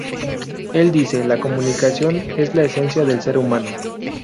Él dice "La comunicación es la esencia del ser humano.